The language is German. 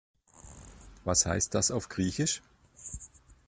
Was heißt das auf Griechisch?